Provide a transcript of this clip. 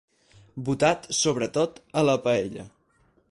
Botat, sobretot a la paella.